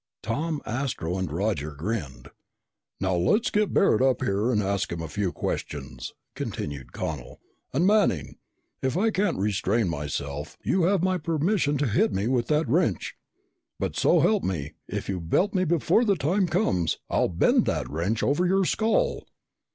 Tom, Astro, and Roger grinned. "Now, let's get Barret up here and ask him a few questions," continued Connel. "And, Manning, if I can't restrain myself, you have my permission to hit me with that wrench! But so help me, if you belt me before the time comes, I'll bend that wrench over your skull!"